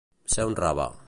Ser un rave.